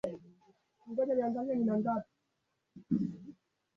hakuna hata mmoja aliyejenga uwanja wa ndege wa kisasa wilayani kwake